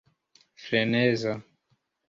freneza